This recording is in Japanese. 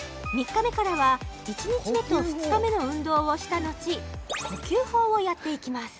３日目からは１日目と２日目の運動をした後呼吸法をやっていきます